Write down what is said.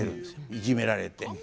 いじめられて。